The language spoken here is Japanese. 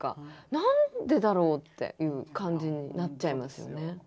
何でだろう？っていう感じになっちゃいますよね。